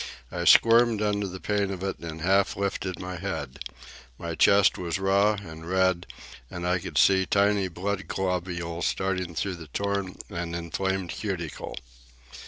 I squirmed under the pain of it, and half lifted my head. My chest was raw and red, and I could see tiny blood globules starting through the torn and inflamed cuticle.